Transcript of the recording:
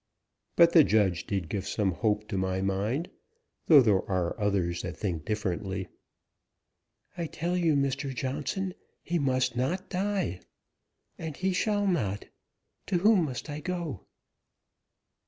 But the judge did give some hope, to my mind, though there are others that think differently." "I tell you, Mr. Johnson, he must not die, and he shall not. To whom must I go?"